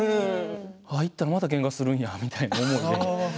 ああ、行ったら、またけんかするんや、みたいな思いで。